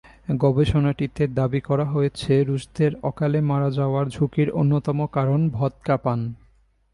গবেষণাটিতে দাবি করা হয়েছে, রুশদের অকালে মারা যাওয়ার ঝুঁকির অন্যতম কারণ ভদকা পান।